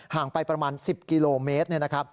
ห่างไปประมาณ๑๐กิโลเมตร